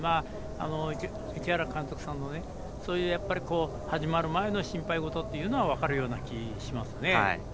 市原監督さんの始まる前の心配ごとというのは分かるような気はしますね。